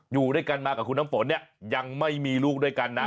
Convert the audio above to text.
อยู่ด้วยกันมากับคุณน้ำฝนเนี่ยยังไม่มีลูกด้วยกันนะ